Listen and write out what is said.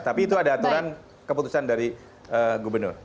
tapi itu ada aturan keputusan dari gubernur